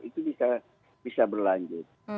itu bisa berlanjut